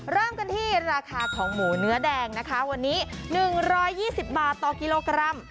เริ่มกันที่ราคาของหมูเนื้อแดงนะคะวันนี้๑๒๐บาทต่อกิโลกรัม